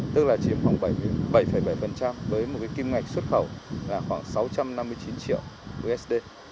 tức là chiếm khoảng bảy bảy với một cái kim ngạch xuất khẩu là khoảng sáu trăm năm mươi chín triệu usd